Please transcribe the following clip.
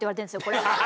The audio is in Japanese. これが。